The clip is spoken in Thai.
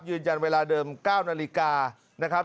ยืนยันเวลาเดิม๙นาฬิกานะครับ